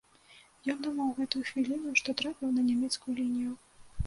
Ён думаў у гэтую хвіліну, што трапіў на нямецкую лінію.